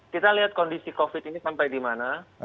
kita lihat kondisi covid ini sampai di mana